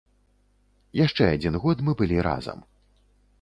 Яшчэ адзін год мы былі разам.